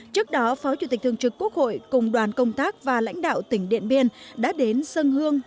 trước đó phó chủ tịch thường trực quốc hội cùng đoàn công tác và lãnh đạo tỉnh điện biên đã đến sân hương